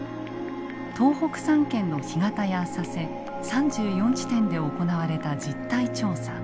東北３県の干潟や浅瀬３４地点で行われた実態調査。